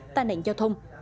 tai nạn giao thông